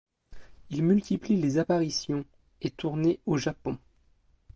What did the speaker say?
Il multiplie les apparitions et tournées au Japon.